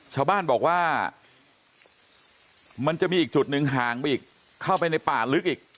ชาวบ้านบอกว่ามันจะมีอีกจุดหนึ่งห่างไปอีกเข้าไปในป่าลึกอีก